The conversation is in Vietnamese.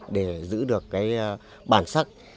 để giữ được cái bản sắc